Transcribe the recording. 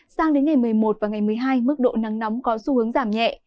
sang đến ngày một mươi một và ngày một mươi hai mức độ nắng nóng có xu hướng giảm nhẹ